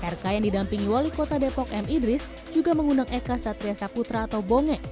rk yang didampingi wali kota depok m idris juga mengundang eka satria saputra atau bongeng